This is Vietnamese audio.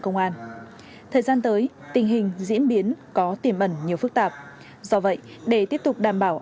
công an thời gian tới tình hình diễn biến có tiềm ẩn nhiều phức tạp do vậy để tiếp tục đảm bảo